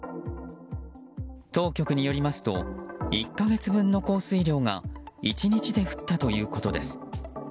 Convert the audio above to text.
当局によりますと１か月分の降水量が１日で降ったということです。